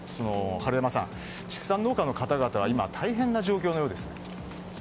春山さん、畜産農家の方々は今、大変な状況のようですね。